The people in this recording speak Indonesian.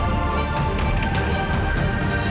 nanti akan menyebabkan adanya